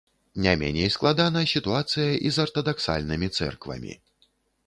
Не меней складана сітуацыя і з артадаксальнымі цэрквамі.